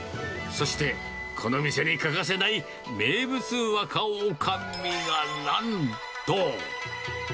そしてこの店に欠かせない名物若おかみがなんと。